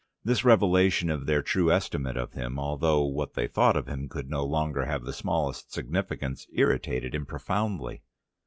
This revelation of their true estimate of him, although what they thought of him could no longer have the smallest significance irritated him profoundly.